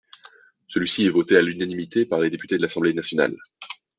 Celui-ci est voté à l’unanimité par les députés de l’Assemblée nationale.